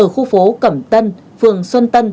ở khu phố cẩm tân phường xuân tân